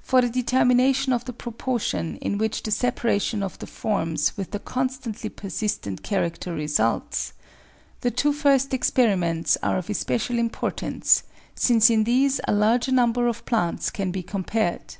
For the determination of the proportion in which the separation of the forms with the con stantly persistent character results, the two first experiments are of especial importance, since in these a larger number of plants can be compared.